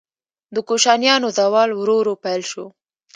د کوشانیانو زوال ورو ورو پیل شو